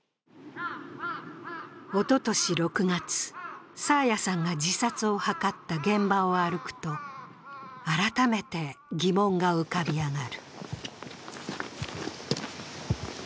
おととし６月、爽彩さんが自殺を図った現場を歩くと改めて疑問が浮かび上がる。